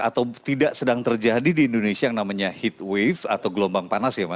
atau tidak sedang terjadi di indonesia yang namanya heat wave atau gelombang panas ya mas